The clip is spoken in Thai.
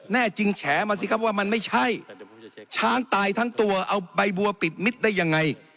แน่จริงแฉมาสิครับว่ามันไม่ใช่ช้างตายทั้งตัวเอาใบบัวปิดมิตรได้ยังไง